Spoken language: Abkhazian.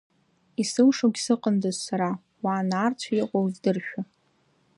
Исылшогь сыҟандаз сара, Уа нарцә иҟоу здыршәа.